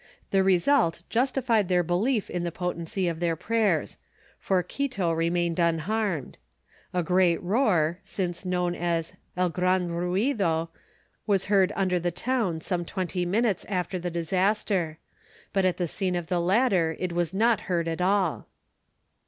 The result justified their belief in the potency of their prayers; for Quito remained unharmed. A great roar, since known as el gran ruido, was heard under the town some twenty minutes after the disaster; but at the scene of the latter it was not heard at all.